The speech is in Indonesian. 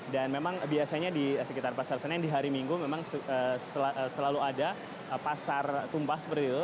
dan memang biasanya di sekitar pasar senen di hari minggu memang selalu ada pasar tumpah seperti itu